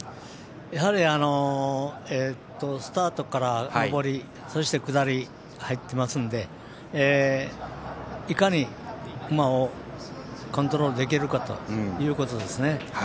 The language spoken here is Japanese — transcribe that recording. やはり、スタートから上りそして、下りとありますのでいかに馬をコントロールできるかということですね。